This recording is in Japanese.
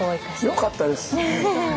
よかったです！